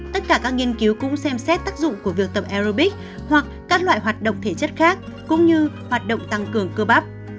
tất cả các nghiên cứu cũng xem xét tác dụng của việc tập aerobics hoặc các loại hoạt động thể chất khác cũng như hoạt động tăng cường cơ bắp